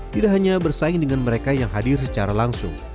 tidak hanya bersaing dengan mereka yang hadir secara langsung